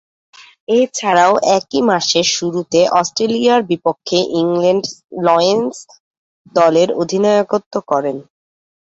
এছাড়াও একই মাসের শুরুতে অস্ট্রেলিয়ার বিপক্ষে ইংল্যান্ড লায়ন্স দলের অধিনায়কত্ব করেন।